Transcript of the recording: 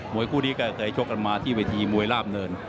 มวยคู่ดีกับเคยชกกันมาที่วิธีมวยร่ำเนิน